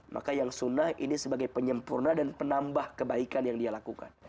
maka yang sunnah ini sebagai penyempurna dan penambah kebaikan yang dia lakukan